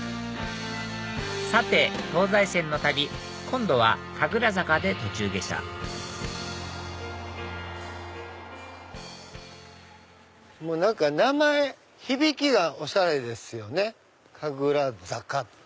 さて東西線の旅今度は神楽坂で途中下車名前響きがおしゃれですよね神楽坂。